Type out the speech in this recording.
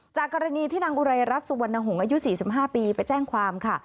จากกรณีที่นางอุไรรัฐสุวรรณหงษ์อายุ๔๕ปีไปแจ้งความค่ะ